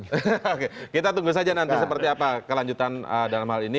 oke kita tunggu saja nanti seperti apa kelanjutan dalam hal ini